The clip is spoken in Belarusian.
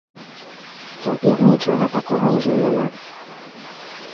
Цяпер нічога такога ўжо няма.